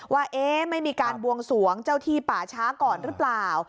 ว่าไม่มีการบวงสวงเจ้าที่ป่าช้าก่อนหรือเปล่า